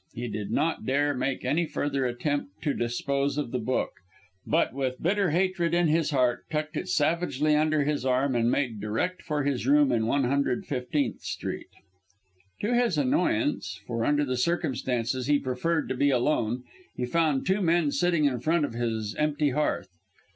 He did not dare make any further attempt to dispose of the book, but, with bitter hatred in his heart, tucked it savagely under his arm, and made direct for his room in 115th Street. To his annoyance for under the circumstances he preferred to be alone he found two men sitting in front of his empty hearth.